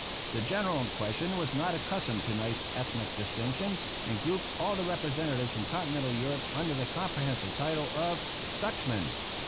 The General in question was not accustomed to nice ethnic distinctions, and grouped all of the representatives from Continental Europe under the comprehensive title of "Dutchmen."